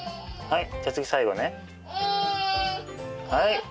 はい！